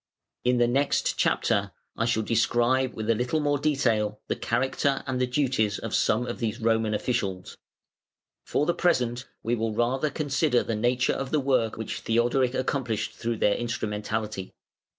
In the next chapter, I shall describe with a little more detail the character and the duties of some of these Roman officials. For the present we will rather consider the nature of the work which Theodoric accomplished through their instrumentality.